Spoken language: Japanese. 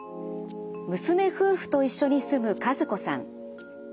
娘夫婦と一緒に住む和子さん。